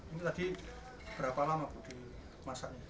ini tadi berapa lama bu dimasaknya